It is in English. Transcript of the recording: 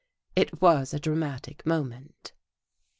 It was a dramatic moment.